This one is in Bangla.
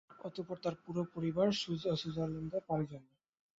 অতঃপর তার পুরো পরিবার সুইজারল্যান্ডে পাড়ি জমায়।